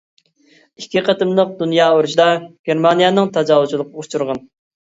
ئىككى قېتىملىق دۇنيا ئۇرۇشىدا گېرمانىيەنىڭ تاجاۋۇزچىلىقىغا ئۇچرىغان.